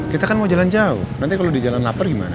kita kan mau jalan jauh nanti kalo dijalan lapar gimana